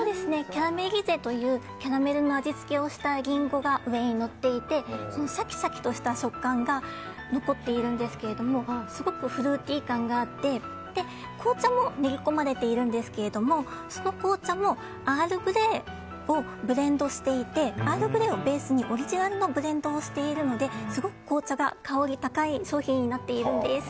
キャラメリゼというキャラメルの味付けをしたリンゴが上にのっていてシャキシャキとした食感が残っているんですけどすごくフルーティー感があって紅茶も練り込まれているんですけどその紅茶もアールグレイをブレンドしていてアールグレイをベースにオリジナルのブレンドをしているので紅茶が香り高い商品になっているんです。